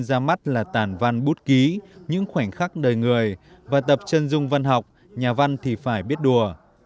ra mắt là tản văn bút ký những khoảnh khắc đời người và tập chân dung văn học nhà văn thì phải biết đùa